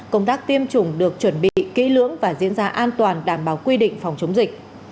công tác tiêm chủng được chuẩn bị kỹ lưỡng và diễn ra an toàn đảm bảo quy định phòng chống dịch